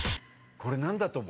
これ何だと思う？